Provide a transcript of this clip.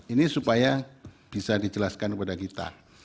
ini supaya bisa dijelaskan kepada kita